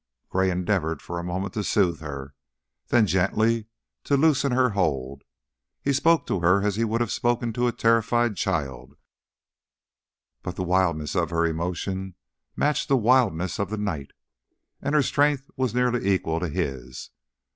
Gray endeavored for a moment to soothe her, then gently to loosen her hold; he spoke to her as he would have spoken to a terrified child, but the wildness of her emotion matched the wildness of the night, and her strength was nearly equal to his.